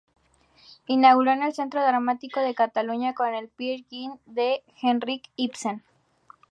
Inauguró el Centro Dramático de Cataluña con el Peer Gynt de Henrik Ibsen.